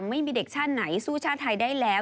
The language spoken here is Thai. ไม่มีเด็กชาติไหนสู้ชาติไทยได้แล้ว